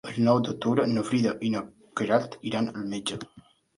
El nou d'octubre na Frida i na Queralt iran al metge.